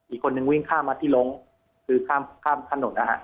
อีกคนนึงวิ่งข้ามอธิรงค์คือข้ามถนนนะครับ